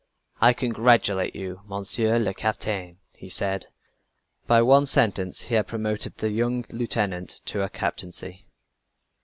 "I congratulate you, Monsieur le Capitaine!" he said. By one sentence he had promoted the young lieutenant to a captaincy.